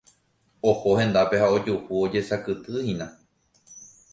Oho hendápe ha ojuhu ojesakytýhina.